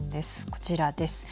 こちらです。